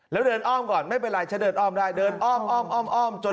แล้วเดินอ้อมก่อนไม่เป็นไรฉันเดินอ้อมได้เดินอ้อมอ้อมจน